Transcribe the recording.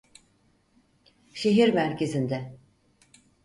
Şehir merkezinde.